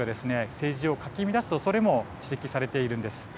政治をかき乱すおそれも指摘されているんです。